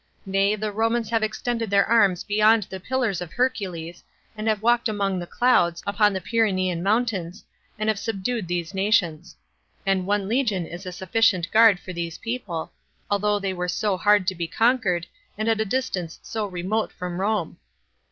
Nay, the Romans have extended their arms beyond the pillars of Hercules, and have walked among the clouds, upon the Pyrenean mountains, and have subdued these nations. And one legion is a sufficient guard for these people, although they were so hard to be conquered, and at a distance so remote from Rome.